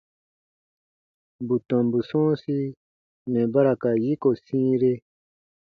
Bù tɔmbu sɔ̃ɔsi mɛ̀ ba ra ka yiko sĩire.